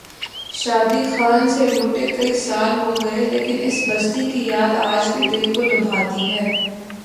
شادی خان سے لوٹے کئی سال ہو گئے لیکن اس بستی کی یاد آج بھی دل کو لبھاتی ہے۔